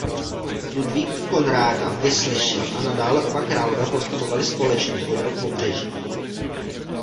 Ludvík Konráda vyslyšel a nadále oba králové postupovali společně podél pobřeží.